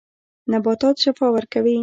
نباتات شفاء ورکوي.